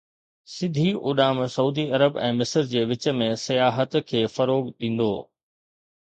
سڌي اڏام Saudi Arab ۽ مصر جي وچ ۾ سياحت کي فروغ ڏيندو